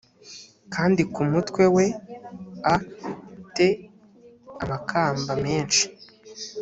kandi ku mutwe we a te amakamba menshi